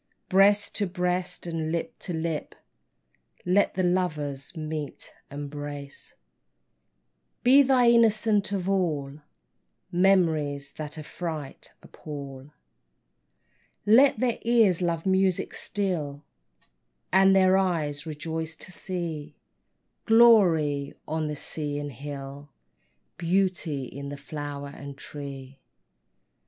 Breast to breast and lip to lip, Let the lovers meet, embrace 1 Be they innocent of all Memories that affright, appal. 78 FLOWER OF YOUTH Let their ears love music still, And their eyes rejoice to see Glory on the sea and hill, Beauty in the flower and tree.